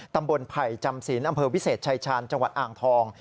ตำบลภัยจำสินอำเภอวิเศษชัยชาญจังหวัดอ่างทอง